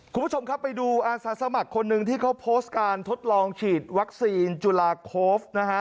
คุณผู้ชมครับไปดูอาสาสมัครคนหนึ่งที่เขาโพสต์การทดลองฉีดวัคซีนจุลาโคฟนะฮะ